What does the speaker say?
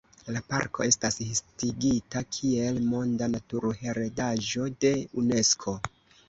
La parko estas listigita kiel Monda Naturheredaĵo de Unesko.